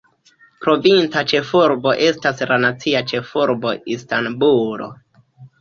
Provinca ĉefurbo estas la nacia ĉefurbo Istanbulo.